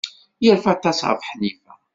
Yerfa aṭas ɣef Ḥnifa.